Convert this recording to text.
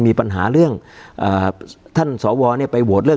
การแสดงความคิดเห็น